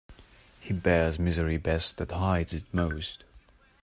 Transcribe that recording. He bears misery best that hides it most.